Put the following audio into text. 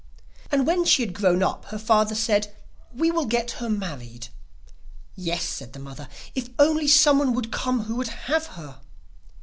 And when she had grown up her father said: 'We will get her married.' 'Yes,' said the mother, 'if only someone would come who would have her.